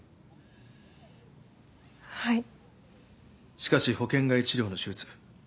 しかし保険外治療の手術。